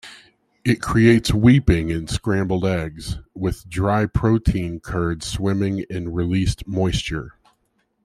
It creates weeping in scrambled eggs, with dry protein curd swimming in released moisture.